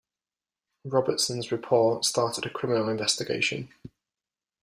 Robertson's report started a criminal investigation.